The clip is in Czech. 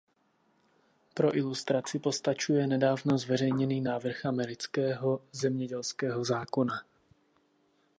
Pro ilustraci postačuje nedávno zveřejněný návrh amerického zemědělského zákona.